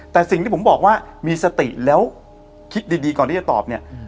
แต่สิ่งที่ผมบอกว่ามีสติแล้วคิดดีก่อนที่จะตอบเนี่ย